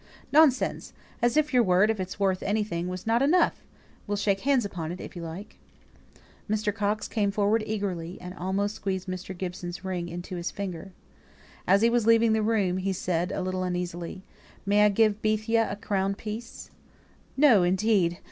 "Nonsense. As if your word, if it's worth anything, wasn't enough! We'll shake hands upon it, if you like." Mr. Coxe came forward eagerly, and almost squeezed Mr. Gibson's ring into his finger. As he was leaving the room, he said, a little uneasily, "May I give Bethia a crown piece?" "No, indeed!